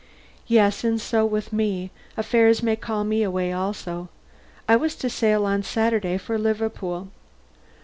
"Yes, and so with me. Affairs may call me away also. I was to sail on Saturday for Liverpool.